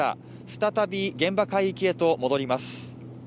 再び現場海域へと戻ります。